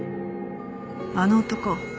あの男